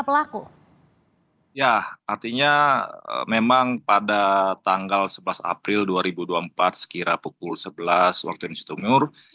pelaku ya artinya memang pada tanggal sebelas april dua ribu dua puluh empat sekira pukul sebelas waktu indonesia timur